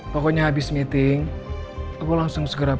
pokoknya habis meeting aku langsung segera